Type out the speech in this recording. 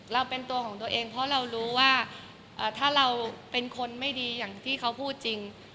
เราเป็นตัวของตัวเองเพราะเรารู้ว่าถ้าเราเป็นคนไม่ดีอย่างที่เขาพูดจริง